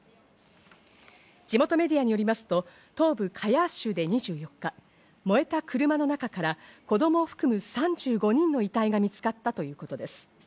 地元メディアによりますと東部カヤー州で２４日、燃えた車の中から子供を含む３５人の遺体が見つかったということです。